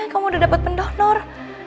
kamu udah dapet pendonor